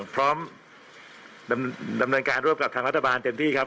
พร้อมดำเนินการร่วมกับทางรัฐบาลเต็มที่ครับ